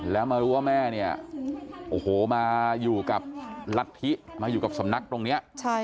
แล้วมารู้ว่าแม่เนี่ยโอ้โหมาอยู่กับรัฐธิมาอยู่กับสำนักตรงนี้